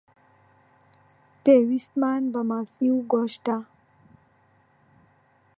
پێویستمان بە ماسی و گۆشتە.